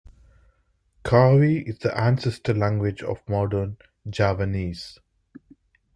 Kawi is the ancestor language of modern Javanese.